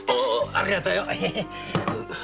ありがとよ。